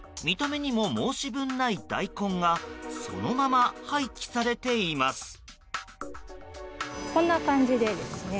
見た目にも申し分ない大根がそのまま廃棄されています。